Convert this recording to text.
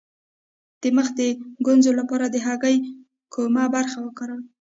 د مخ د ګونځو لپاره د هګۍ کومه برخه وکاروم؟